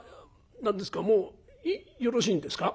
何ですかもうよろしいんですか？